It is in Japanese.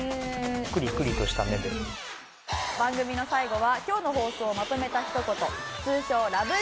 番組の最後は今日の放送をまとめたひと言通称ラブ！！